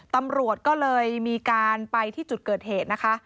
ตำรวจก็เลยมีการไปที่จุดเกิดเหตุนะคะ